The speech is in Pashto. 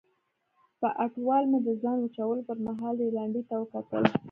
په اټوال مې د ځان وچولو پرمهال رینالډي ته وکتل.